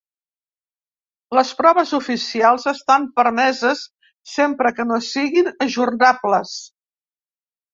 Les proves oficials estan permeses sempre que no siguin ajornables.